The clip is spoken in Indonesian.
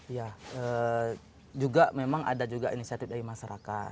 ya juga memang ada juga inisiatif dari masyarakat